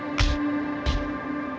aku akan segera mengambil pedangnya